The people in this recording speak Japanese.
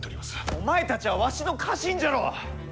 お前たちはわしの家臣じゃろう！